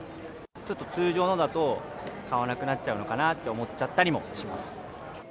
ちょっと通常のだと、買わなくなっちゃうのかなと思っちゃったりもします。